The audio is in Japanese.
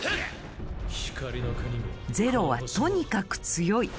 ゼロはとにかく強い。